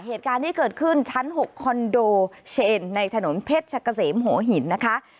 เหตุการณ์ที่เกิดขึ้นชั้น๖คอนโดเชนในถนนเพชรกะเสมหัวหินนะคะ